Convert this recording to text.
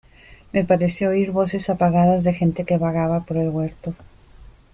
me pareció oír voces apagadas de gente que vagaba por el huerto.